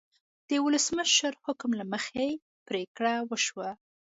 د ولسمشر حکم له مخې پریکړه وشوه.